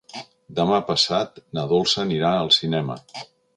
Demà passat na Dolça anirà al cinema.